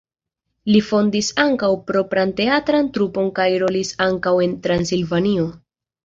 Li fondis ankaŭ propran teatran trupon kaj rolis ankaŭ en Transilvanio.